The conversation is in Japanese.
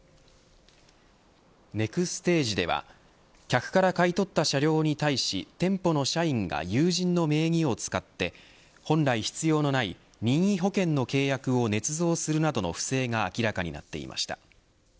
ネクステージでは客から買い取った車両に対し店舗の社員が友人の名義を使って本来必要のない任意保険の契約をねつ造するなどの不正が明らかになっていました。